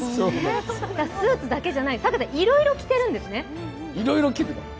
スーツだけじゃない、いろいろ着てるんですね？